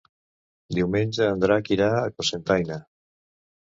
Diumenge en Drac irà a Cocentaina.